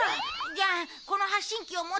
じゃあこの発信器を持ってて。